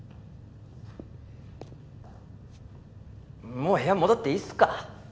もう部屋戻っていいっすか？